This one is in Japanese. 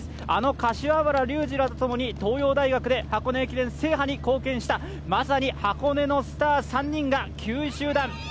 あの柏原竜二らとともに東洋大学で箱根駅伝制覇に貢献したまさに箱根のスター３人が９位集団。